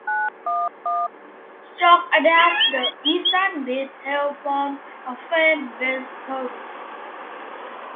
Jock adapted the design with help from a friend, Wes Perry.